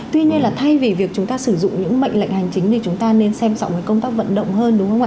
tuy nhiên là thay vì việc chúng ta sử dụng những mệnh lệnh hành chính thì chúng ta nên xem trọng với công tác vận động hơn đúng không ạ